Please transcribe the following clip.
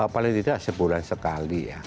paling tidak sebulan sekali ya